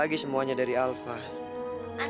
aku cuma nyusahin dan bikin malu